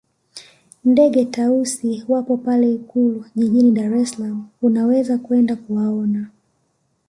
Ndege Tausi wapo pale ikulu jijini dar es salama unaweza kwenda kuwaona